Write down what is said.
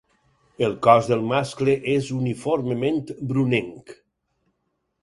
El cos del mascle és uniformement brunenc.